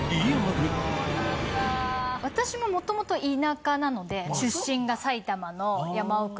私ももともと田舎なので出身が埼玉の山奥で。